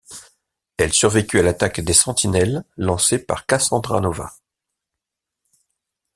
Elle survécut à l'attaque des Sentinelles lancées par Cassandra Nova.